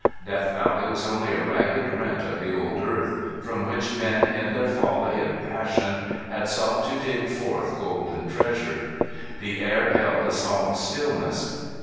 Death Valley was only a ragged rent of the old earth, from which men in their folly and passion, had sought to dig forth golden treasure. The air held a solemn stillness.